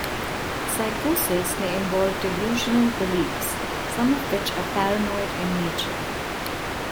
Psychosis may involve delusional beliefs, some of which are paranoid in nature.